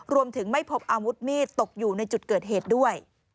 รวมถึงไม่พบอาวุธมีดตกอยู่ในจุดเกิดเหตุด้วย